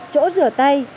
chỗ rửa tay